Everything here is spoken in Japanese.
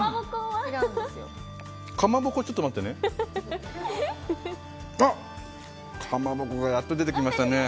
かまぼこちょっと待ってね。